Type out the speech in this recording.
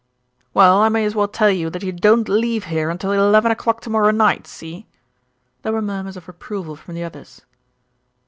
"Well, I may as well tell you that you don't leave here until eleven o'clock to morrow night, see?" There were murmurs of approval from the others.